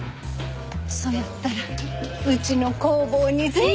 そやったらうちの工房にぜひ。